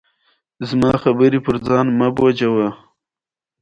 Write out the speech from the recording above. مچمچۍ د نورو حیواناتو له ضرر نه ځان ساتي